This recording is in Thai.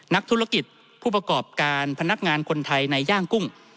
นักธุรกิจผู้ประกอบการพนักงานคนไทยในย่างกุ้ง